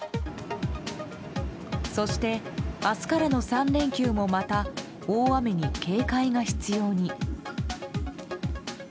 そして、明日からの３連休もまた大雨に警戒が必要に。